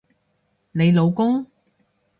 你老公？